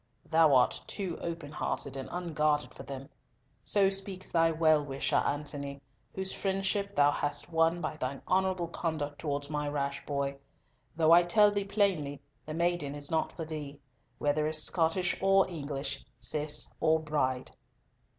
Thou art too open hearted and unguarded for them! So speaks thy well wisher, Antony, whose friendship thou hast won by thine honourable conduct towards my rash boy; though I tell thee plainly, the maiden is not for thee, whether as Scottish or English, Cis or Bride."